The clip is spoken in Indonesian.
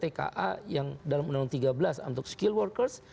kemudian juga tka yang dalam undang tiga belas untuk skilled workers